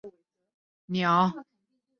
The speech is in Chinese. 欧夜鹰是夏候鸟。